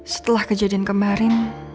setelah kejadian kemarin